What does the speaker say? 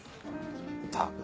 ったく。